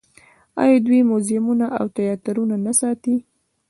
آیا دوی موزیمونه او تیاترونه نه ساتي؟